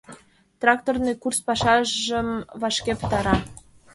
Тракторный курс пашажым вашке пытара.